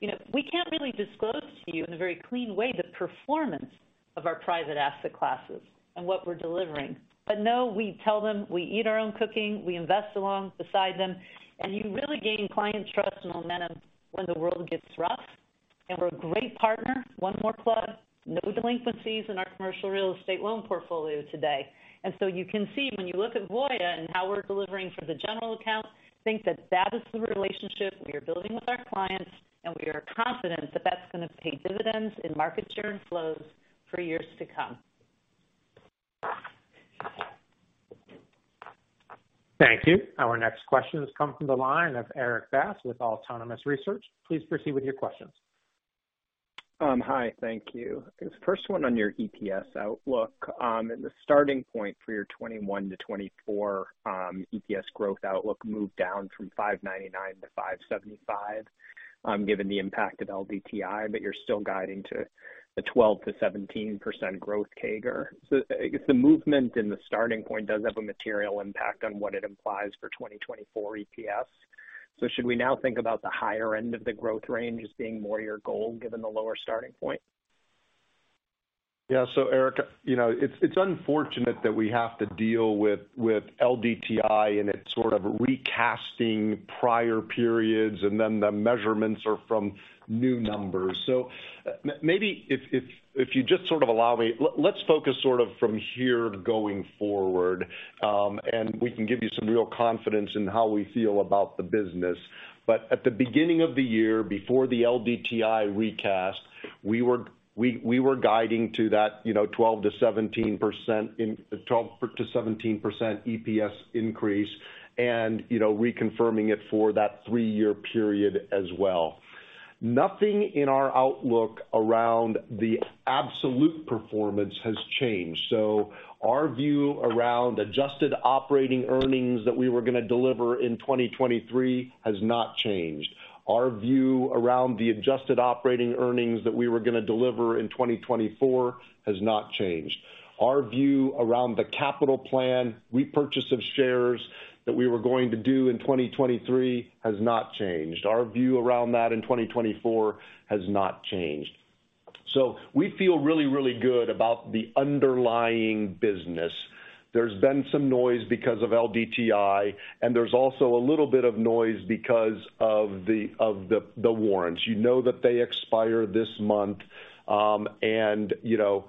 you know, we can't really disclose to you in a very clean way the performance of our private asset classes and what we're delivering. No, we tell them we eat our own cooking, we invest along beside them, and you really gain clients' trust and momentum when the world gets rough. We're a great partner. One more plug, no delinquencies in our commercial real estate loan portfolio today. You can see when you look at Voya and how we're delivering for the general account, think that that is the relationship we are building with our clients, and we are confident that that's gonna pay dividends in market share and flows for years to come. Thank you. Our next question has come from the line of Erik Bass with Autonomous Research. Please proceed with your questions. Hi. Thank you. First one on your EPS outlook, the starting point for your 2021-2024 EPS growth outlook moved down from $5.99 to $5.75, given the impact of LDTI, but you're still guiding to the 12%-17% growth CAGR. I guess the movement in the starting point does have a material impact on what it implies for 2024 EPS. Should we now think about the higher end of the growth range as being more your goal given the lower starting point? Yeah. Erik, you know, it's unfortunate that we have to deal with LDTI and it sort of recasting prior periods, and then the measurements are from new numbers. Maybe if you just sort of allow me, let's focus sort of from here going forward, and we can give you some real confidence in how we feel about the business. At the beginning of the year, before the LDTI recast, we were guiding to that, you know, 12%-17% EPS increase and, you know, reconfirming it for that three year period as well. Nothing in our outlook around the absolute performance has changed. Our view around adjusted operating earnings that we were gonna deliver in 2023 has not changed. Our view around the adjusted operating earnings that we were gonna deliver in 2024 has not changed. Our view around the capital plan, repurchase of shares that we were going to do in 2023 has not changed. Our view around that in 2024 has not changed. We feel really, really good about the underlying business. There's been some noise because of LDTI, and there's also a little bit of noise because of the warrants. You know that they expire this month. You know,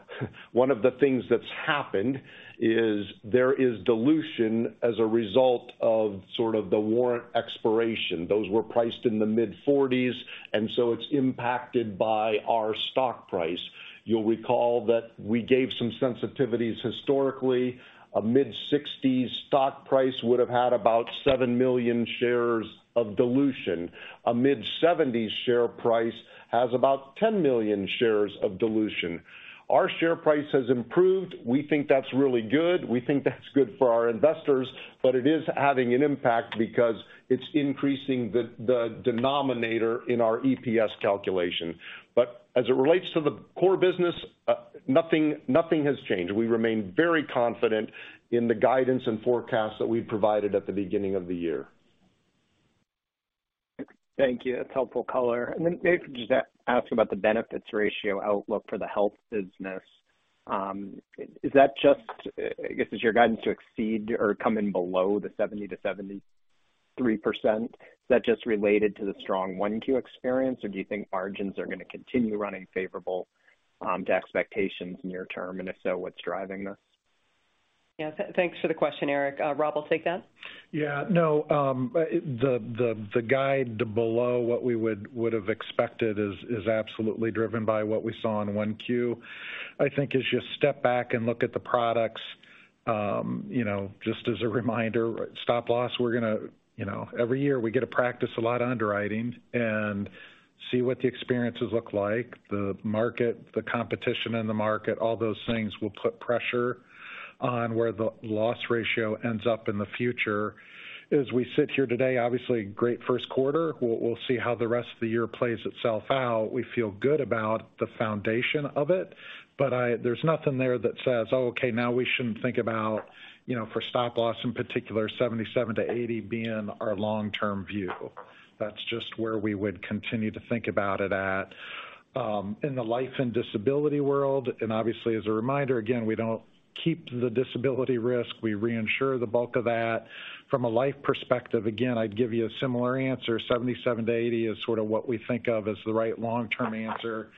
one of the things that's happened is there is dilution as a result of sort of the warrant expiration. Those were priced in the mid-40s, it's impacted by our stock price. You'll recall that we gave some sensitivities historically. A mid-60s stock price would've had about seven million shares of dilution. A mid-seventies share price has about 10 million shares of dilution. Our share price has improved. We think that's really good. We think that's good for our investors, but it is having an impact because it's increasing the denominator in our EPS calculation. As it relates to the core business, nothing has changed. We remain very confident in the guidance and forecast that we provided at the beginning of the year. Thank you. That's helpful color. Maybe just ask about the benefits ratio outlook for the Health business, as your guidance to exceed or come in below the 70%-73%, is that just related to the strong 1Q experience, or do you think margins are gonna continue running favorable to expectations near term? If so, what's driving this? Yeah. Thanks for the question, Eric. Rob, will take that. Yeah. No, the guide below what we would've expected is absolutely driven by what we saw in 1Q. I think as you step back and look at the products, you know, just as a reminder, Stop Loss, we're gonna, you know, every year we get to practice a lot underwriting and see what the experiences look like, the market, the competition in the market, all those things will put pressure on where the loss ratio ends up in the future. As we sit here today, obviously, great first quarter. We'll see how the rest of the year plays itself out. We feel good about the foundation of it, but I- There's nothing there that says, "Oh, okay, now we shouldn't think about, you know, for Stop Loss, in particular, 77-80 being our long-term view." That's just where we would continue to think about it at. In the life and disability world, and obviously as a reminder, again, we don't keep the disability risk. We reinsure the bulk of that. From a life perspective, again, I'd give you a similar answer. 77-80 is sort of what we think of as the right long-term answer.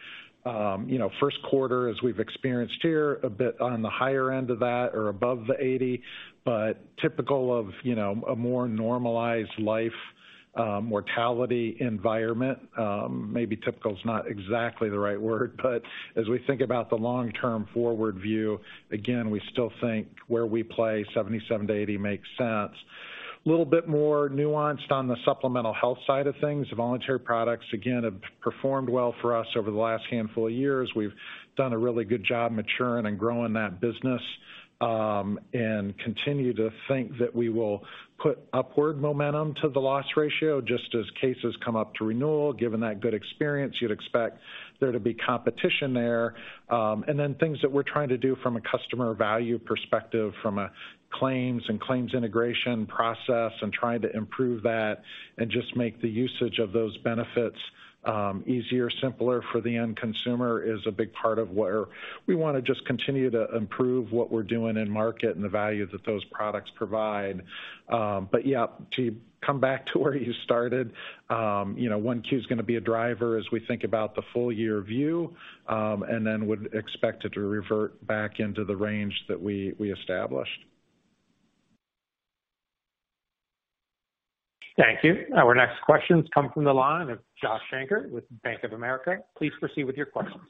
You know, first quarter as we've experienced here, a bit on the higher end of that or above the 80, but typical of, you know, a more normalized life, mortality environment. Maybe typical is not exactly the right word, but as we think about the long-term forward view, again, we still think where we play 77-80 makes sense. Little bit more nuanced on the supplemental health side of things. Voluntary products, again, have performed well for us over the last handful of years. We've done a really good job maturing and growing that business, and continue to think that we will put upward momentum to the loss ratio just as cases come up to renewal. Given that good experience, you'd expect there to be competition there. Then things that we're trying to do from a customer value perspective, from a claims and claims integration process, and trying to improve that and just make the usage of those benefits, easier, simpler for the end consumer is a big part of where we wanna just continue to improve what we're doing in market and the value that those products provide. Yeah, to come back to where you started, you know, 1Q is gonna be a driver as we think about the full year view, and then would expect it to revert back into the range that we established. Thank you. Our next question comes from the line of Josh Shanker with Bank of America. Please proceed with your questions.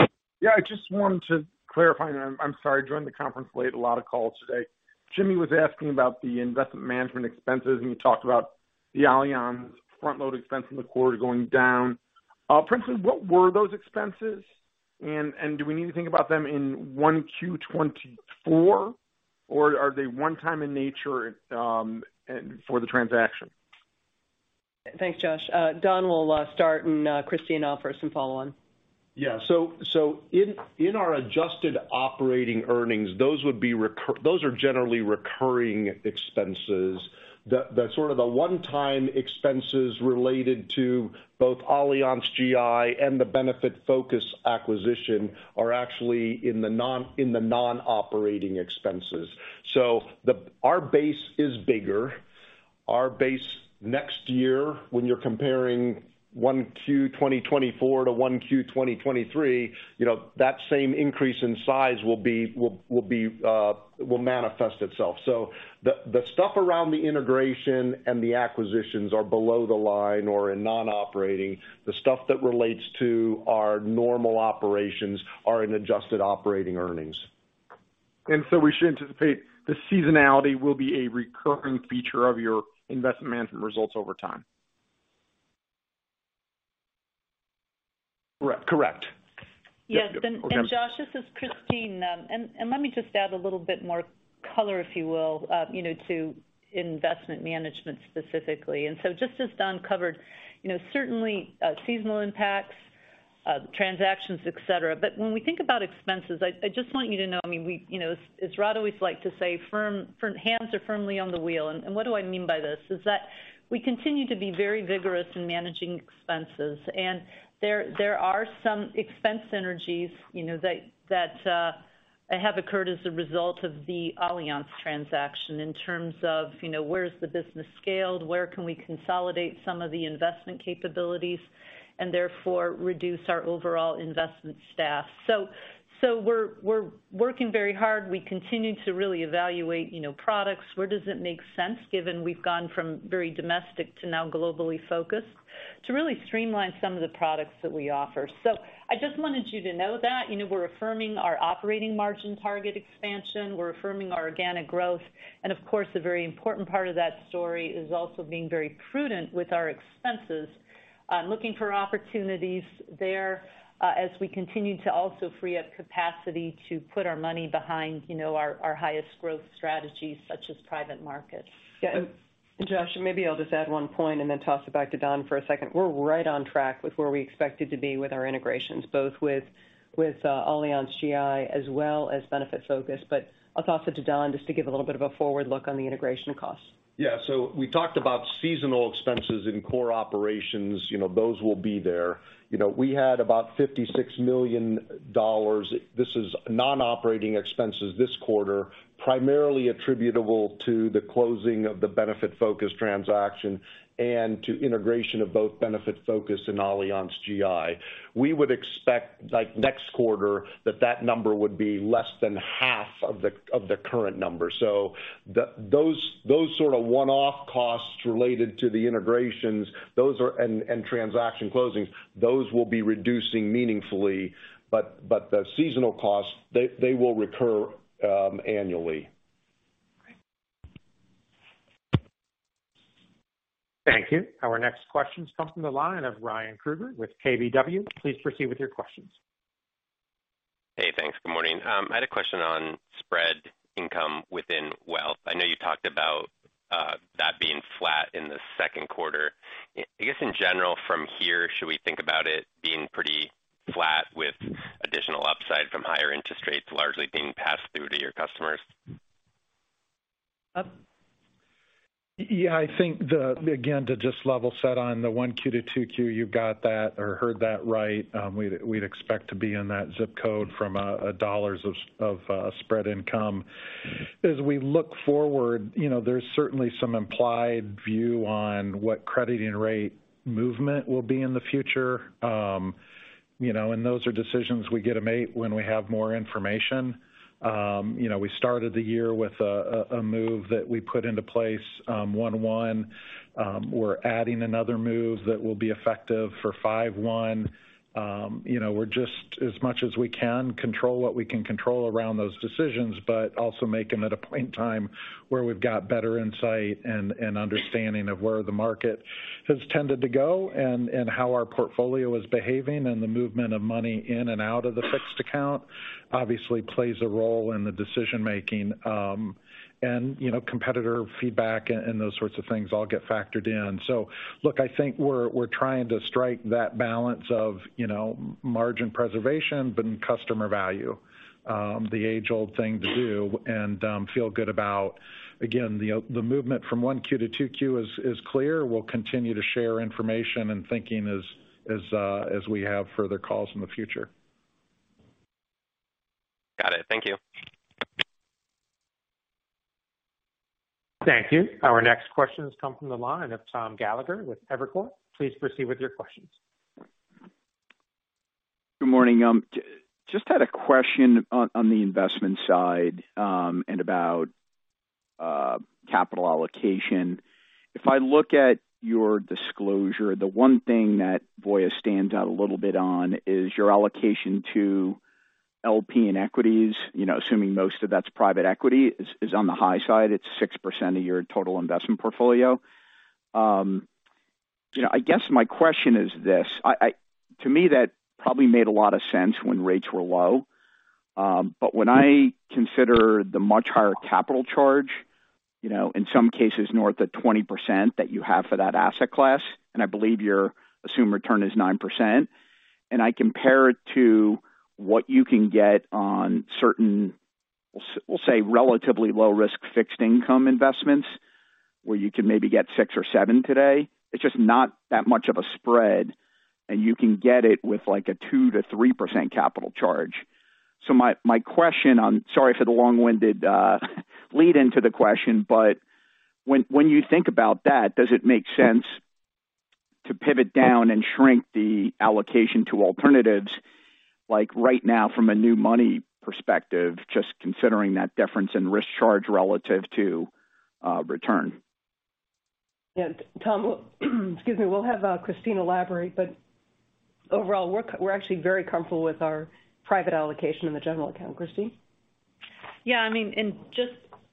I just wanted to clarify, I'm sorry, I joined the conference late. A lot of calls today. Jimmy was asking about the Investment Management expenses, you talked about the Allianz front load expense in the quarter going down. Principally, what were those expenses? Do we need to think about them in 1Q 2024, or are they one-time in nature, and for the transaction? Thanks, Josh. Don will start and Christine offer some follow on. Yeah. In our adjusted operating earnings, those are generally recurring expenses. The sort of the one time expenses related to both AllianzGI and the Benefitfocus acquisition are actually in the non-operating expenses. Our base is bigger. Our base next year when you're comparing 1Q 2024 to 1Q 2023, you know, that same increase in size will be, will manifest itself. The stuff around the integration and the acquisitions are below the line or in non-operating. The stuff that relates to our normal operations are in adjusted operating earnings. We should anticipate the seasonality will be a recurring feature of your Investment Management results over time. Correct. Correct. Yes. Yep. Okay. Josh, this is Christine. Let me just add a little bit more color, if you will, you know, to Investment Management specifically. Just as Don covered, you know, certainly, seasonal impacts, transactions, et cetera. When we think about expenses, I just want you to know, I mean, you know, as Rod always like to say, firm hands are firmly on the wheel. What do I mean by this? Is that we continue to be very vigorous in managing expenses. There are some expense synergies, you know, that have occurred as a result of the Allianz transaction in terms of, you know, where's the business scaled, where can we consolidate some of the investment capabilities, and therefore reduce our overall investment staff. We're working very hard. We continue to really evaluate, you know, products, where does it make sense given we've gone from very domestic to now globally focused to really streamline some of the products that we offer. I just wanted you to know that. You know, we're affirming our operating margin target expansion. We're affirming our organic growth. Of course, a very important part of that story is also being very prudent with our expenses, looking for opportunities there, as we continue to also free up capacity to put our money behind, you know, our highest growth strategies such as private markets. Yeah. Josh, maybe I'll just add one point and then toss it back to Don for a second. We're right on track with where we expected to be with our integrations, both with AllianzGI as well as Benefitfocus. I'll toss it to Don just to give a little bit of a forward look on the integration costs. Yeah. We talked about seasonal expenses in core operations, you know. Those will be there. You know, we had about $56 million. This is non-operating expenses this quarter, primarily attributable to the closing of the Benefitfocus transaction and to integration of both Benefitfocus and AllianzGI. We would expect, like, next quarter that that number would be less than half of the current number. Those sort of one-off costs related to the integrations, those are. Transaction closings, those will be reducing meaningfully, but the seasonal costs, they will recur annually. Great. Thank you. Our next question comes from the line of Ryan Krueger with KBW. Please proceed with your questions. Hey, thanks. Good morning. I had a question on spread income within wealth. I know you talked about that being flat in the second quarter. I guess in general from here, should we think about it being pretty flat with additional upside from higher interest rates largely being passed through to your customers? Yeah, I think again, to just level set on the 1Q to 2Q, you've got that or heard that right. We'd expect to be in that zip code from dollars of spread income. As we look forward, you know, there's certainly some implied view on what crediting rate movement will be in the future. You know, those are decisions we get to make when we have more information. You know, we started the year with a move that we put into place, 1/1. We're adding another move that will be effective for 5/1. You know, we're just as much as we can control what we can control around those decisions, but also make them at a point in time where we've got better insight and understanding of where the market has tended to go and how our portfolio is behaving and the movement of money in and out of the fixed account obviously plays a role in the decision-making. You know, competitor feedback and those sorts of things all get factored in. Look, I think we're trying to strike that balance of, you know, margin preservation, but in customer value, the age-old thing to do and feel good about. The movement from 1Q to 2Q is clear. We'll continue to share information and thinking as we have further calls in the future. Got it. Thank you. Thank you. Our next question has come from the line of Tom Gallagher with Evercore. Please proceed with your questions. Good morning. Just had a question on the investment side, and about capital allocation. If I look at your disclosure, the one thing that Voya stands out a little bit on is your allocation to LP and equities. You know, assuming most of that's private equity is on the high side. It's 6% of your total investment portfolio. You know, I guess my question is this, I to me, that probably made a lot of sense when rates were low. When I consider the much higher capital charge, you know, in some cases north of 20% that you have for that asset class, and I believe your assumed return is 9%, and I compare it to what you can get on certain, we'll say, relatively low-risk fixed income investments where you can maybe get 6% or 7% today. It's just not that much of a spread, and you can get it with, like, a 2%-3% capital charge. Sorry for the long-winded lead into the question, when you think about that, does it make sense to pivot down and shrink the allocation to alternatives, like right now from a new money perspective, just considering that difference in risk charge relative to return? Yeah. Tom, excuse me. We'll have Christine elaborate, but overall, we're actually very comfortable with our private allocation in the general account. Christine. Yeah, I mean, just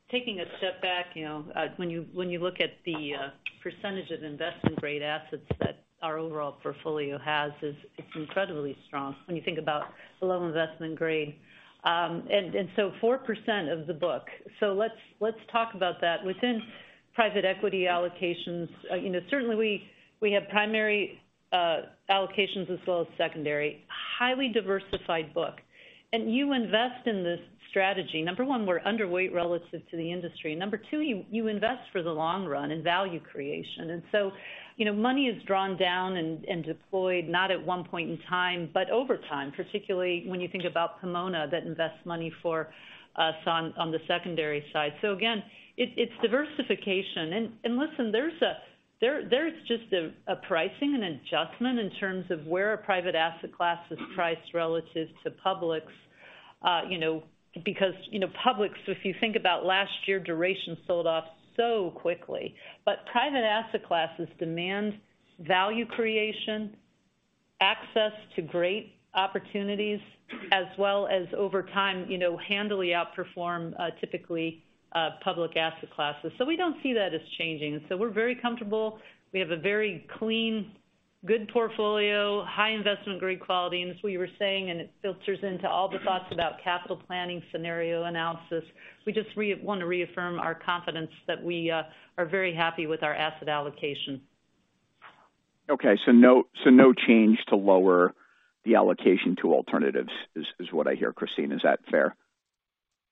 taking a step back, you know, when you look at the percentage of investment-grade assets that our overall portfolio has is incredibly strong when you think about the loan investment grade. 4% of the book. Let's talk about that. Within private equity allocations, you know, certainly we have primary allocations as well as secondary, highly diversified book. You invest in this strategy. Number one, we're underweight relative to the industry. Number two, you invest for the long run in value creation. You know, money is drawn down and deployed not at one point in time, but over time, particularly when you think about Pomona that invests money for us on the secondary side. Again, it's diversification. listen, there is just a pricing, an adjustment in terms of where a private asset class is priced relative to publics. you know, because, you know, publics, if you think about last year, duration sold off so quickly. private asset classes demand value creation, access to great opportunities as well as over time, you know, handily outperform, typically, public asset classes. We don't see that as changing. We're very comfortable. We have a very clean, good portfolio, high investment-grade quality. as we were saying, and it filters into all the thoughts about capital planning scenario analysis, we just wanna reaffirm our confidence that we are very happy with our asset allocation. Okay. No change to lower the allocation to alternatives is what I hear, Christine. Is that fair?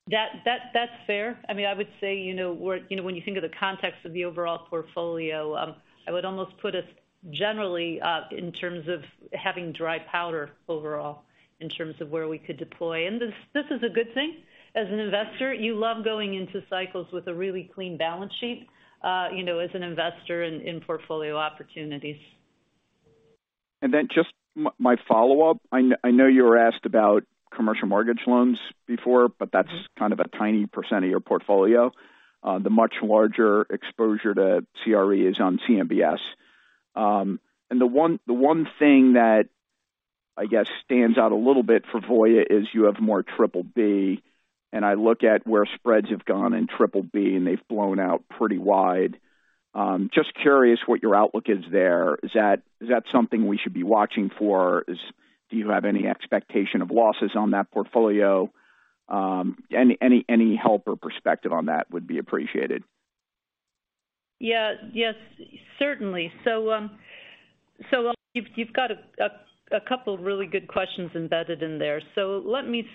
That's fair. I mean, I would say, you know, when you think of the context of the overall portfolio, I would almost put us generally in terms of having dry powder overall in terms of where we could deploy. This is a good thing. As an investor, you love going into cycles with a really clean balance sheet, you know, as an investor in portfolio opportunities. Then just my follow-up. I know you were asked about commercial mortgage loans before, but that's kind of a tiny percent of your portfolio. The much larger exposure to CRE is on CMBS. The one thing that, I guess, stands out a little bit for Voya is you have more triple B, and I look at where spreads have gone in BBB, and they've blown out pretty wide. Just curious what your outlook is there. Is that something we should be watching for? Do you have any expectation of losses on that portfolio? Any help or perspective on that would be appreciated. Yeah. Yes, certainly. You've got a couple of really good questions embedded in there. Let me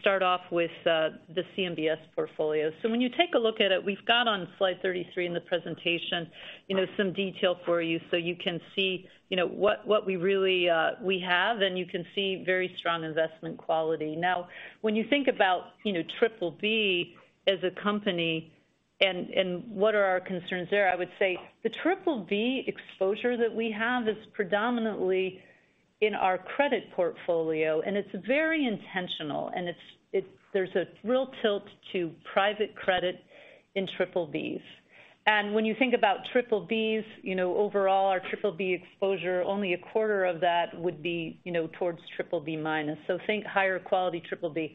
start off with the CMBS portfolio. When you take a look at it, we've got on slide 33 in the presentation, you know, some detail for you so you can see, you know, what we really have, and you can see very strong investment quality. Now, when you think about, you know, BBB as a company, what are our concerns there? I would say the BBB exposure that we have is predominantly in our credit portfolio, and it's very intentional. It's there's a real tilt to private credit in BBBs. When you think about BBBs, you know, overall our BBB exposure, only a quarter of that would be, you know, towards BBB, think higher quality BBB.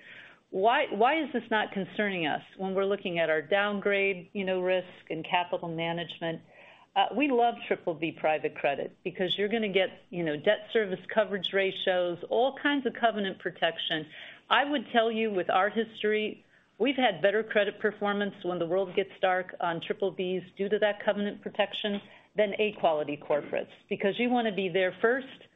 Why is this not concerning us when we're looking at our downgrade, you know, risk and capital management? We love BBB private credit because you're gonna get, you know, debt service coverage ratios, all kinds of covenant protection. I would tell you with our history, we've had better credit performance when the world gets dark on BBBs due to that covenant protection than A-quality corporates. You wanna be there first,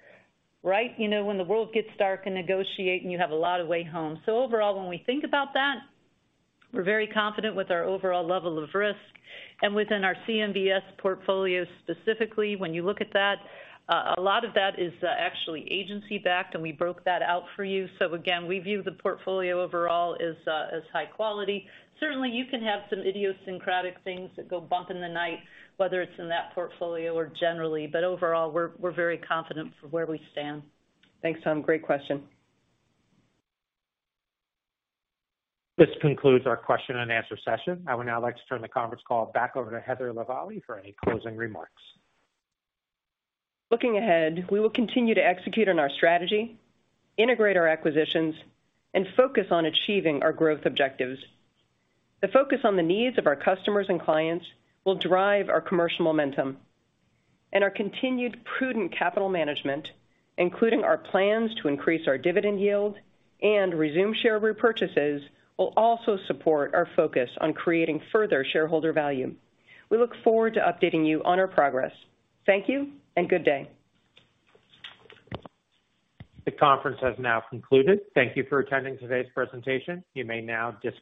right? You know, when the world gets dark and negotiate, and you have a lot of way home. Overall, when we think about that, we're very confident with our overall level of risk. Within our CMBS portfolio, specifically, when you look at that, a lot of that is actually agency-backed, and we broke that out for you. Again, we view the portfolio overall as high quality. Certainly, you can have some idiosyncratic things that go bump in the night, whether it's in that portfolio or generally. Overall, we're very confident for where we stand. Thanks, Tom. Great question. This concludes our question-and-answer session. I would now like to turn the conference call back over to Heather Lavallee for any closing remarks. Looking ahead, we will continue to execute on our strategy, integrate our acquisitions, and focus on achieving our growth objectives. The focus on the needs of our customers and clients will drive our commercial momentum. Our continued prudent capital management, including our plans to increase our dividend yield and resume share repurchases, will also support our focus on creating further shareholder value. We look forward to updating you on our progress. Thank you and good day. The conference has now concluded. Thank you for attending today's presentation. You may now disconnect.